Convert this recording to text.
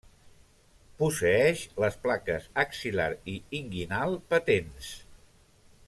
Posseeix les plaques axil·lar i inguinal patents.